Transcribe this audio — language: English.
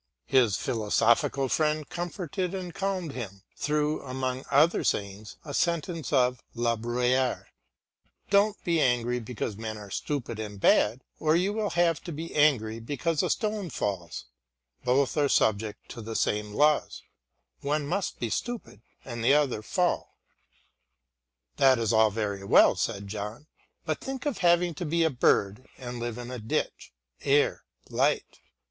His philosophical friend comforted and calmed him, through, among other sayings, a sentence of La Bruyère, "Don't be angry because men are stupid and bad, or you will have to be angry because a stone falls; both are subject to the same laws; one must be stupid and the other fall." "That is all very well," said John, "but think of having to be a bird and live in a ditch! Air! light!